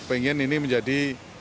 ingin ini menjadi